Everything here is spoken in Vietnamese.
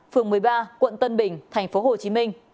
phường một mươi ba quận tân bình